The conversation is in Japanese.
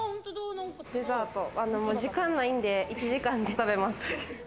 デザートは時間ないんで、１時間で食べます。